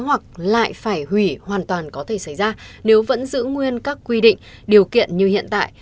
hoặc lại phải hủy hoàn toàn có thể xảy ra nếu vẫn giữ nguyên các quy định điều kiện như hiện tại